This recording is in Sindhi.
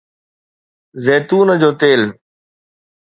زيتون جو تيل